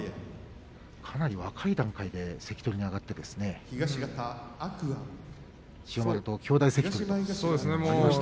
かなり若い段階で関取に上がって千代丸と兄弟関取となりました。